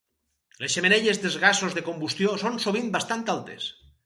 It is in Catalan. Les xemeneies dels gasos de combustió són sovint bastant altes.